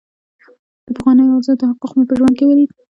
د پخوانۍ ارزو تحقق مې په ژوند کې ولید.